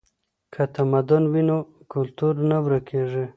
که تمدن وي نو کلتور نه ورکیږي.